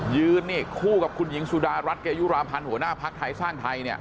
ยืนฮะคู่กับคุณหญิงสุดารัฐเกียยยุราพันธ์หัวหน้าพักทัยสร้างไทย